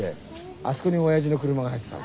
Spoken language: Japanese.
あそこに親父の車が入ってたの。